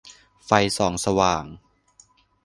ไฟส่องสว่าง